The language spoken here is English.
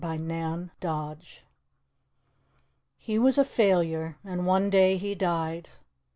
COMPASSION HE was a failure, and one day he died.